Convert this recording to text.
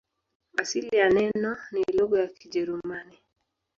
Asili ya neno ni lugha ya Kijerumani.